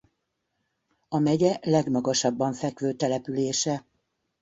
A megye legmagasabban fekvő települése.